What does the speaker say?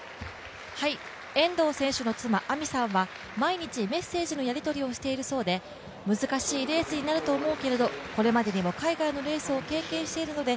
遠藤選手の妻・亜実さんは毎日メッセージのやり取りをしているそうで難しいレースになると思うけど、これまでも海外のレースを経験してるので